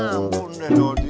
aduh ampun deh dodi